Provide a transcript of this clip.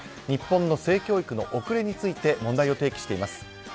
日本の性教育の遅れについて問題を提起しています。